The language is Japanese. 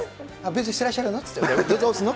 ベルトしてらっしゃるのって。